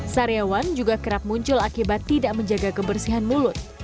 saryawan juga kerap muncul akibat tidak menjaga kebersihan mulut